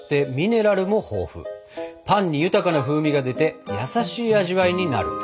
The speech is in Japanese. パンに豊かな風味が出て優しい味わいになるんだ。